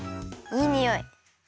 いいにおい！